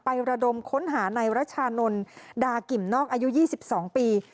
ไประดมค้นหานายรชานนลดากิ่มนอกอายุ๒๒ปี